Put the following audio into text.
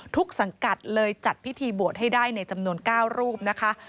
สังกัดเลยจัดพิธีบวชให้ได้ในจำนวน๙รูปนะคะ